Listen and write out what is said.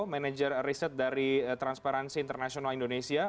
manager riset dari transparansi internasional indonesia